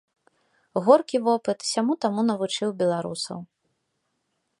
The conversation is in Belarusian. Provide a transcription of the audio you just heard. Горкі вопыт сяму-таму навучыў беларусаў.